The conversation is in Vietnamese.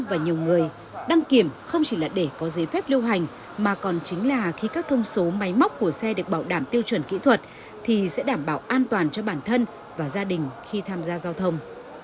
và nhiều người đăng kiểm không chỉ là để có giấy phép lưu hành mà còn chính là khi các thông số máy móc của xe được bảo đảm tiêu chuẩn kỹ thuật thì sẽ đảm bảo an toàn cho bản thân và gia đình khi tham gia giao thông